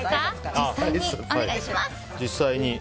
実際にお願いします。